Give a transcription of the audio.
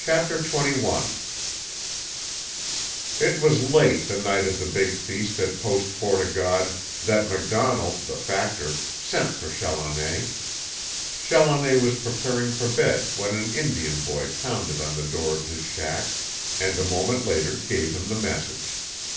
CHAPTER TWENTY ONE It was late the night of the big feast at Post Fort O' God that MacDonnell, the factor, sent for Challoner. Challoner was preparing for bed when an Indian boy pounded on the door of his shack and a moment later gave him the message.